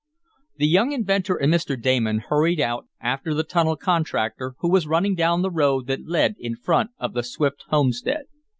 The young inventor and Mr. Damon hurried out after the tunnel contractor, who was running down the road that led in front of the Swift homestead.